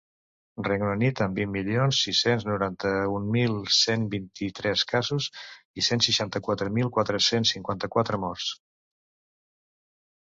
Regne Unit, amb vint milions sis-cents noranta-un mil cent vint-i-tres casos i cent seixanta-quatre mil quatre-cents cinquanta-quatre morts.